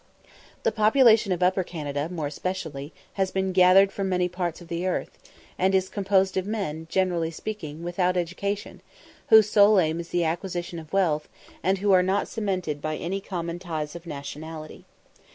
The population of Upper Canada, more especially, has been gathered from many parts of the earth, and is composed of men, generally speaking, without education, whose sole aim is the acquisition of wealth, and who are not cemented by any common ties of nationality.